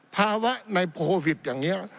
ภาวะในโควิดอย่างนี้